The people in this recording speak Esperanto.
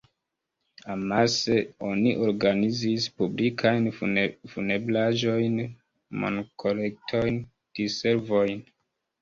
Amase oni organizis publikajn funebraĵojn, monkolektojn, diservojn.